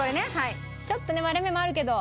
ちょっとね割れ目もあるけど。